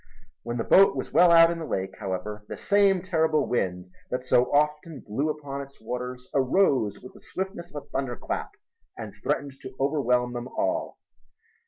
When the boat was well out in the lake, however, the same terrible wind that so often blew upon its waters arose with the swiftness of a thunderclap and threatened to overwhelm them all.